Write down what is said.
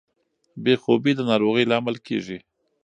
بې خوبي د ناروغۍ لامل کیږي.